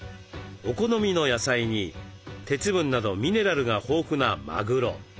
お好みの野菜に鉄分などミネラルが豊富なまぐろ。